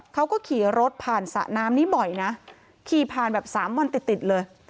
เขาก็ขี่รถผ่านสระน้ำนี้บ่อยนะขี่ผ่านแบบสามวันติดติดเลย